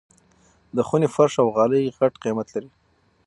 د خوني فرش او غالۍ غټ قيمت لري.